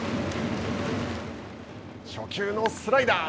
初球のスライダー。